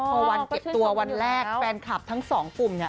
พอวันเก็บตัวคุณก็จะเลยเข้ามาเรื่องแรกแฟนคลับทั้งสองกุมเนี่ย